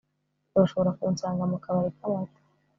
urashobora kunsanga mu kabari k'amata